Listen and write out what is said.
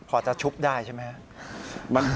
พอจะชุบได้ใช่ไหมครับ